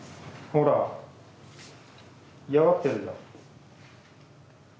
ほら嫌がってるじゃん。